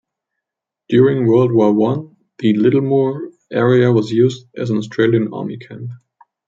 During World War One, the Littlemoor area was used as an Australian army camp.